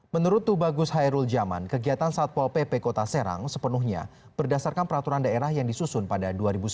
menurut tubagus hairul jaman kegiatan satpol pp kota serang sepenuhnya berdasarkan peraturan daerah yang disusun pada dua ribu sembilan belas